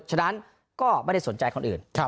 ฉะนั้นก็ไม่ได้สนใจคนอื่น